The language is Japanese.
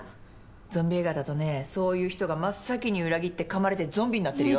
ゾンビ映画だとねそういう人が真っ先に裏切ってかまれてゾンビになってるよ。